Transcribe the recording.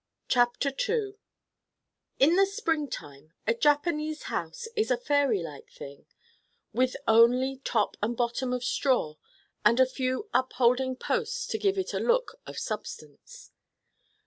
CHAPTER II In the springtime a Japanese house is a fairy like thing, with only top and bottom of straw and a few upholding posts to give it a look of substance.